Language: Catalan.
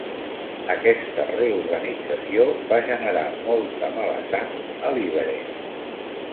Aquesta reorganització va generar molta mala sang a Liberec.